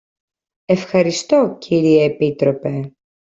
Ευχαριστώ, κύριε Επίτροπε.